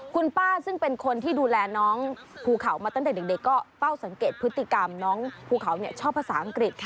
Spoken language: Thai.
คุณป้าซึ่งเป็นคนที่ดูแลน้องภูเขามาตั้งแต่เด็กก็เฝ้าสังเกตพฤติกรรมน้องภูเขาชอบภาษาอังกฤษ